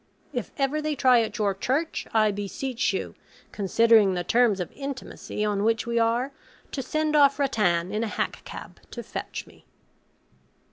If ever they try at your church, I beseech you, considering the terms of intimacy on which we are, to send off Rattan in a hack cab to fetch me.'